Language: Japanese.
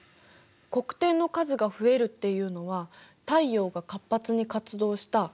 黒点の数が増えるっていうのは太陽が活発に活動した結果なんだよね。